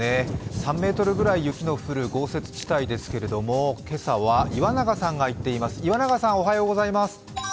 ３ｍぐらい雪の降る豪雪地帯ですけれども今朝は岩永さんが行っています。